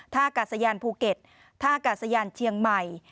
อากาศยานภูเก็ตท่ากาศยานเชียงใหม่